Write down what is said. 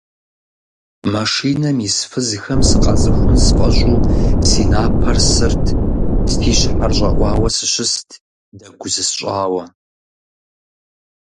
Машинэм ис фызхэм сыкъацӀыхун сфӀэщӀу си напэр сырт, си щхьэр щӀэӀуауэ сыщыст, дэгу зысщӀауэ.